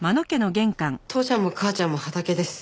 父ちゃんも母ちゃんも畑です。